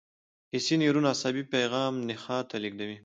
حسي نیورون عصبي پیغام نخاع ته لېږدوي.